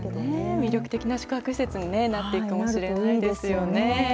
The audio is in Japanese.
魅力的な宿泊施設になっていくかもしれないですよね。